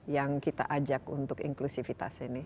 yang kita ajak untuk inklusivitas ini